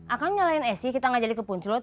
akang nyalain esy kita gak jadi kepuncut